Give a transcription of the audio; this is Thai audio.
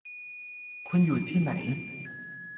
คุณอยู่ที่ไหน ?